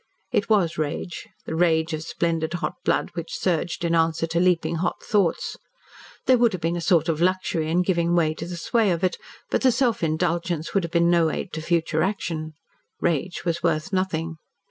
It was rage the rage of splendid hot blood which surged in answer to leaping hot thoughts. There would have been a sort of luxury in giving way to the sway of it. But the self indulgence would have been no aid to future action. Rage was worth nothing.